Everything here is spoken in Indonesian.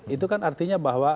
itu kan artinya bahwa